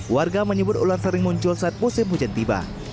warga menyebut ular sering muncul saat musim hujan tiba